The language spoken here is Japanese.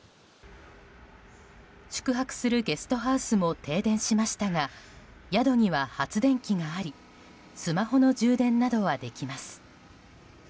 宿泊するゲストハウスも停電しましたが宿には発電機がありスマホの充電などはできます。